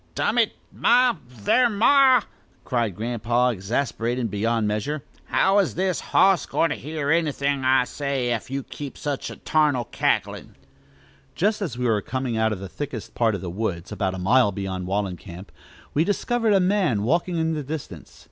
"Dum it, ma! thar', ma!" cried Grandpa, exasperated beyond measure. "How is this hoss goin' to hear anything that I say ef you keep up such a tarnal cacklin'?" Just as we were coming out of the thickest part of the woods, about a mile beyond Wallencamp, we discovered a man walking in the distance.